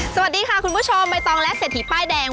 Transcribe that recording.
สวัสดีค่ะคุณผู้ชมใบตองและเศรษฐีป้ายแดง